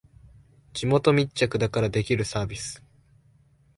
地元密着だからできるサービス